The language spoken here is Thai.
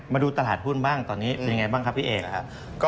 มาดูตลาดหุ้นบ้างตอนนี้เป็นยังไงบ้างครับพี่เอกครับ